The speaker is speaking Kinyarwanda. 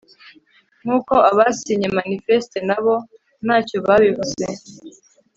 nk'uko abasinye manifeste nabo ntacyo bavuze